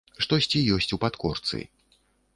Штосьці ёсць у падкорцы.